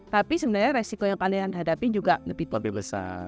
tapi sebenarnya resiko yang kalian hadapi juga lebih besar